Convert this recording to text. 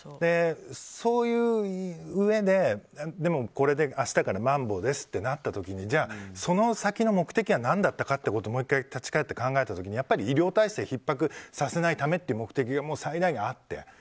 そういううえで、でもこれで明日からまん防ですってなった時にじゃあ、その先の目的は何だかったということをもう１回、立ち返って考えた時にやっぱり医療体制ひっ迫させないためという目的が最大限あって。